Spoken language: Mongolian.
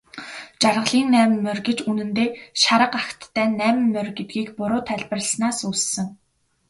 Жаргалын найман морь гэж үнэндээ шарга агттай найман морь гэдгийг буруу тайлбарласнаас үүссэн.